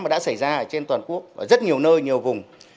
mà đã xảy ra trên toàn quốc ở rất nhiều nơi nhiều vùng